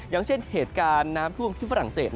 อย่างเช่นเหตุการณ์น้ำท่วมที่ฝรั่งเศส